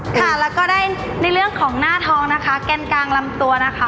ค่ะแล้วก็ได้ในเรื่องของหน้าทองนะคะแกนกลางลำตัวนะคะ